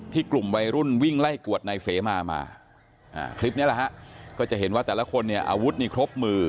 กลุ่มวัยรุ่นวิ่งไล่กวดนายเสมามาคลิปนี้แหละฮะก็จะเห็นว่าแต่ละคนเนี่ยอาวุธนี่ครบมือ